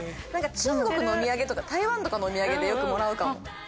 中国のお土産とか台湾とかのお土産でよくもらうかも。